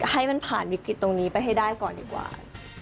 ให้มันผ่านวิกฤตตรงนี้ไปให้ได้ก่อนดีกว่า